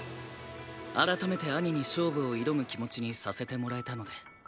改めて兄に勝負を挑む気持ちにさせてもらえたので。